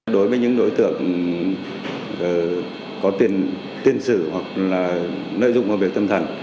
đối với những đối tượng có tiền xử hoặc là nợ dụng về tâm thần